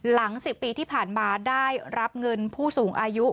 หลัง๑๐ปีที่ผ่านมาได้รับเงินผู้สูงอายุ